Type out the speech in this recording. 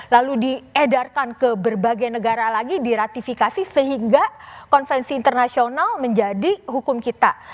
lalu diedarkan ke berbagai negara lagi diratifikasi sehingga konvensi internasional menjadi hukum kita